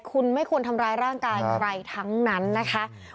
คุณไม่ควรทำร้ายร่างกายใครทั้งนั้นนะคะ